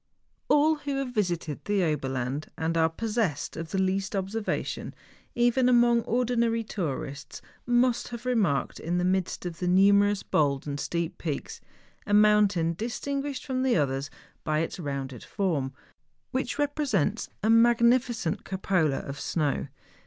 All who have visited the Oberland and are pos¬ sessed of the least observation, even among ordinary tourists, must have remarked, in the midst of the numerous bold and steep peaks, a mountain dis¬ tinguished from the others by its rounded form, which represents a magnificent cupola of snow.